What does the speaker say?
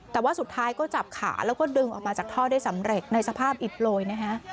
แต่ว่าสุดท้ายก็จับขาแล้วก็ดึงออกมาจากท่อได้สำเร็จในสภาพอิดโรยนะฮะ